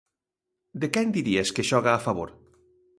De quen dirías que xoga a favor?